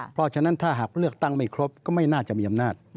เพราะฉะนั้นถ้าหากเลือกตั้งไม่ครบก็ไม่น่าจะมีอำนาจ